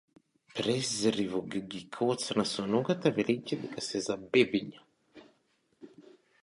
Презриво ги клоцна со ногата велејќи дека се за бебиња.